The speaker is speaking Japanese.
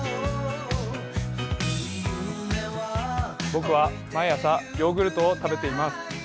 僕は毎朝、ヨーグルトを食べています。